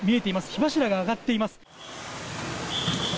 火柱が上がっています。